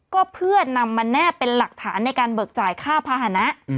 ก็เพื่อนำมาแนบเป็นหลักฐานในการเบิกจ่ายค่าภาษณะ